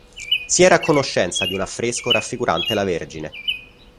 Si era a conoscenza di un affresco raffigurante la Vergine.